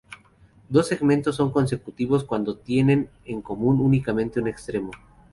Dos segmentos son consecutivos cuando tienen en común únicamente un extremo.